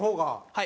はい。